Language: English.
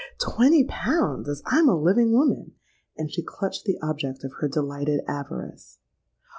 'Twenty pounds, as I'm a living woman!' and she clutched the object of her delighted avarice.